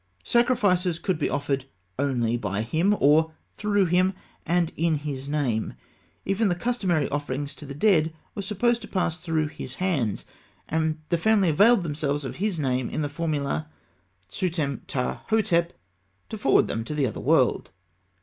Sacrifices could be offered only by him, or through him, and in his name. Even the customary offerings to the dead were supposed to pass through his hands, and the family availed themselves of his name in the formula sûten ta hotep to forward them to the other world.